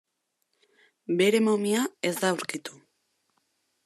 Bere momia ez da aurkitu.